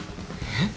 えっ？